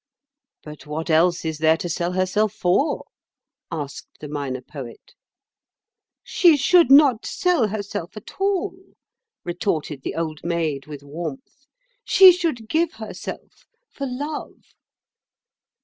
"But what else is there to sell herself for?" asked the Minor Poet. "She should not sell herself at all," retorted the Old Maid, with warmth. "She should give herself, for love."